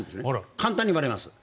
簡単に割れます。